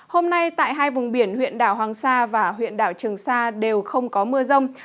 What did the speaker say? hôm nay tại hai vùng biển huyện đảo hoàng sa và huyện đảo trường sa đều không có mưa rông